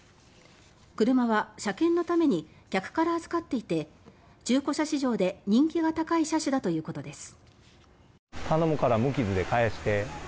車は車検のために客から預かっており中古車市場で人気が高い車種だということです。